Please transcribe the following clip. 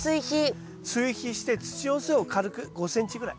追肥して土寄せを軽く５ｃｍぐらい。